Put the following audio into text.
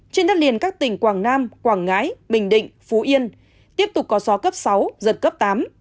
trên đất liền các tỉnh quảng nam quảng ngãi bình định phú yên tiếp tục có gió cấp sáu giật cấp tám